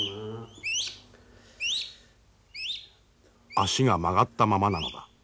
足が曲がったままなのだ。